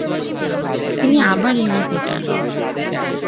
তিনি আবার ইউরোপে যান।